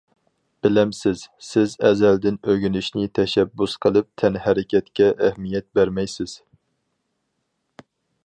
بىلەمسىز؟ سىز ئەزەلدىن ئۆگىنىشنى تەشەببۇس قىلىپ تەنھەرىكەتكە ئەھمىيەت بەرمەيسىز.